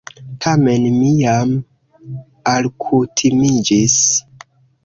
Tamen mi jam alkutimiĝis.